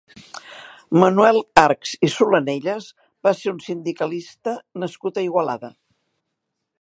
Manuel Archs i Solanelles va ser un sindicalista nascut a Igualada.